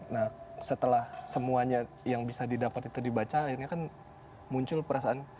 nah setelah semuanya yang bisa didapat itu dibaca akhirnya kan muncul perasaan